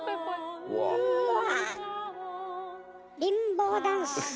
うわ！